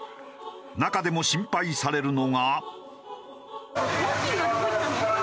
中でも心配されるのが。